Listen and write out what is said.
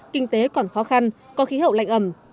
kinh tế còn khó khăn có khí hậu lạnh ẩm